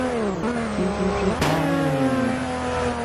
星星之火可以燎原